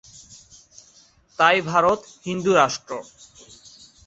তাই ভারত হিন্দুরাষ্ট্র।